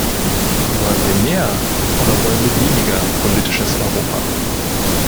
Wollen wir mehr oder wollen wir weniger politisches Europa?